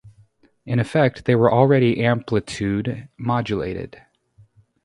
In effect they were already amplitude modulated.